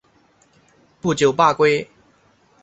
不久罢归。